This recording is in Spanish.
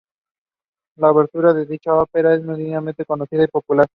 La obertura de dicha opera es mundialmente conocida y popular.